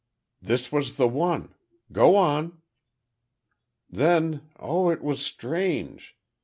"This was the one! Go on." "Then—oh, it was strange!